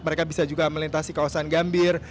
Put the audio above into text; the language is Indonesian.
mereka bisa juga melintasi kawasan gambir